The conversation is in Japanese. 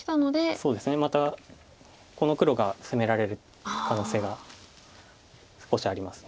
そうですねまたこの黒が攻められる可能性が少しあります。